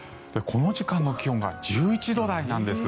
この時間の気温が１１度台なんです。